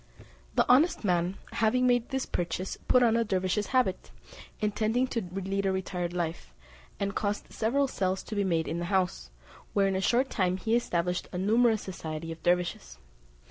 The honest man having made this purchase put on a dervise's habit, intending to lead a retired life, and caused several cells to be made in the house, where in a short time he established a numerous society of dervises.